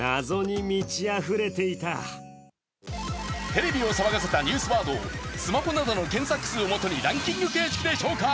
テレビを騒がせたニュースワードをスマホなどの検索数をもとにランキング形式で紹介。